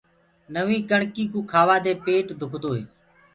نوينٚ ڪڻڪي ڪوُ کآوآ دي پيٽ دُکدو هي۔